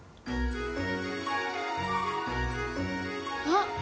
あっ！